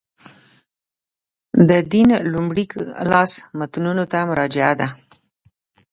د دین لومړي لاس متنونو ته مراجعه ده.